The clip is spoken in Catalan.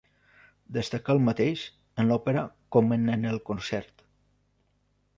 Destacà el mateix en l'òpera com en el concert.